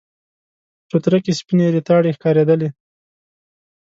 په چوتره کې سپينې ريتاړې ښکارېدلې.